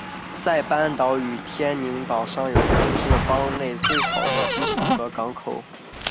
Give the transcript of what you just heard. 塞班岛和天宁岛上有自治邦内最好的机场和港口。